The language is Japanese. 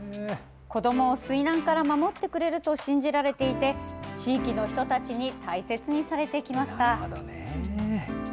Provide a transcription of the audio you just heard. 子どもを水難から守ってくれると信じられていて、地域の人たちに大切にされてきました。